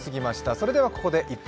それではここで、「１分！